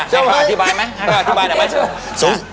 ให้เขาอธิบายไหม